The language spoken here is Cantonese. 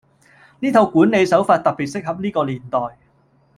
呢套管理手法特別適合呢個年代